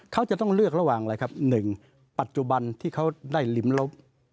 เขาจะต้องเลือกระหว่างอะไรครับ๑ปัจจุบันที่เขาได้ลิ้มลบ